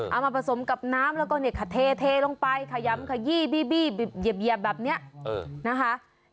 เอามาผสมกับน้ำแล้วก็เนี่ยเทลงไปขยำขยี้บี้เหยียบแบบนี้นะคะ